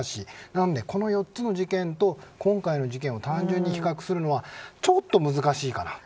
なのでこの４つの事件と今回の事件を単純に比較するのはちょっと難しいかなと。